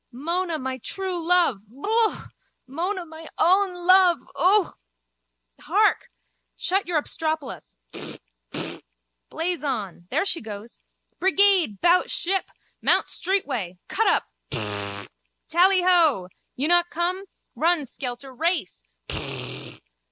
Mona, my true love. Yook. Mona, my own love. Ook. Hark! Shut your obstropolos. Pflaap! Pflaap! Blaze on. There she goes. Brigade! Bout ship. Mount street way. Cut up! Pflaap! Tally ho. You not come? Run, skelter, race.